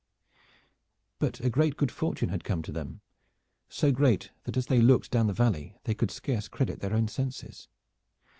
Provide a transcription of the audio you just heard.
But a great good fortune had come to them so great that as they looked down the valley they could scarce credit their own senses.